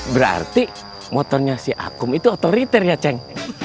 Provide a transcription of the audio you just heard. berarti motornya si akum itu otoriter ya ceng